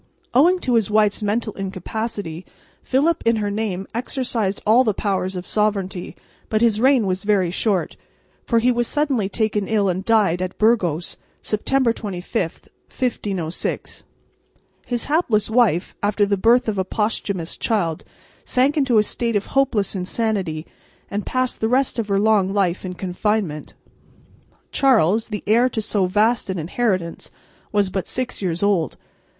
Owing to his wife's mental incapacity Philip in her name exercised all the powers of sovereignty, but his reign was very short, for he was suddenly taken ill and died at Burgos, September 25, 1506. His hapless wife, after the birth of a posthumous child, sank into a state of hopeless insanity and passed the rest of her long life in confinement. Charles, the heir to so vast an inheritance, was but six years old.